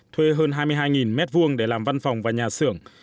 thuê hơn hai mươi hai m hai để làm văn phòng và nhà xưởng